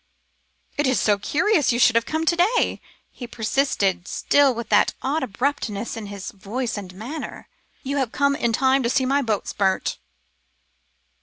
"It is so curious you should have come to day," he persisted, still with that odd abruptness of voice and manner. "You have come in time to see my boats burnt."